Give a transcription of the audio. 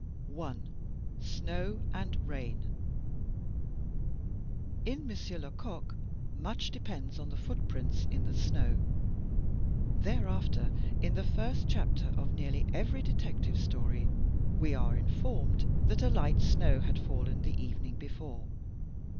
I. Snow and Rain In "Monsieur Lecoq" much depends on the footprints in the snow. Thereafter in the first chapter of nearly every detective story we are informed that "a light snow had fallen the evening before."